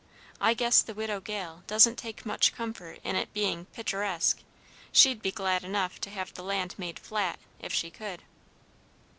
I guess the Widow Gale doesn't take much comfort in its bein' picturesque. She'd be glad enough to have the land made flat, if she could."